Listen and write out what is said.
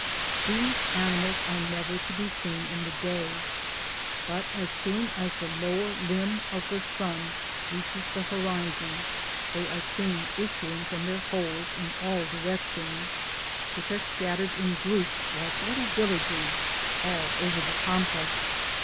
These animals are never to be seen in the day, but as soon as the lower limb of the sun reaches the horizon, they are seen issuing from their holes in all directions, which are scattered in groups like little villages all over the Pampas.